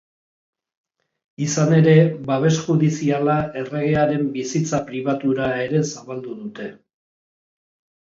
Izan ere, babes judiziala erregearen bizitza pribatura ere zabaldu dute.